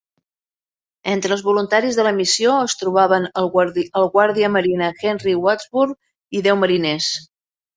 Entre els voluntaris de la missió es trobaven el guàrdia marina Henry Wadsworth i deu mariners.